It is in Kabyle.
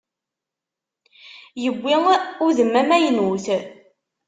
Yewwi udem amaynut.